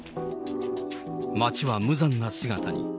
町は無残な姿に。